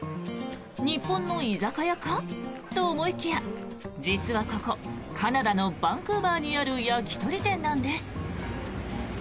日本の居酒屋か？と思いきや実はここカナダのバンクーバーにある焼き鳥店なんです。